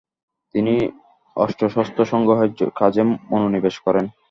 তিনি অস্ত্রশস্ত্র সংগ্রহের কাজে মনোনিবেশ করেন।